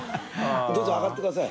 匹Δ上がってください。